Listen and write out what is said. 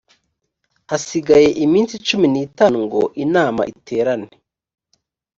hasigaye iminsi cumi n itanu ngo inama iterane